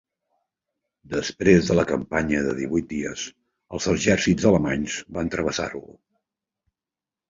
Després de la campanya de divuit dies els exèrcits alemanys van travessar-lo.